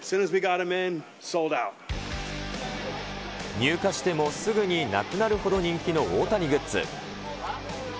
入荷してもすぐになくなるほど人気の大谷グッズ。